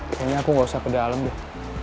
kayaknya aku gak usah ke dalam deh